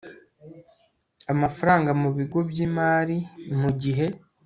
amafaranga mu bigo by imari mu gihe